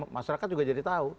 masyarakat juga jadi tahu